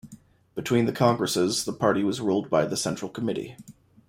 Between the congresses the party was ruled by the Central Committee.